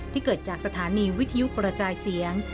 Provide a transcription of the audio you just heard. เกิดจากสถานีวิทยุกระจายเสียง